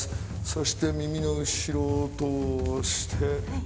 そして耳の後ろを通して離す。